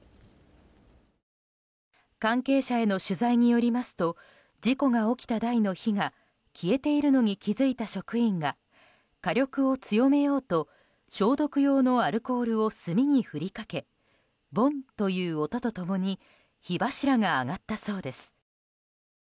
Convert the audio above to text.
関係者への取材によりますと事故が起きた台の火が消えているのに気付いた職員が火力を強めようと消毒用のアルコールを炭に振りかけボンという音と共に火柱が上がったそうです。